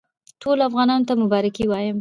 ټولو افغانانو ته مبارکي وایم.